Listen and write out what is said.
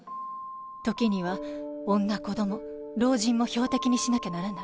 時には女子供老人も標的にしなきゃならない